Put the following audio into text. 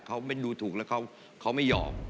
เขาดูถูกแล้วเขาไม่ยอม